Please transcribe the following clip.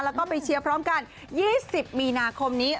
แล้วก็ไปเชียร์พร้อมกัน๒๐มีนาคมนี้